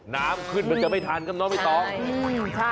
น้ำขึ้นมันจะไม่ทันครับน้องไม่ต้อง